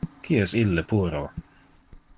Qui es ille puero?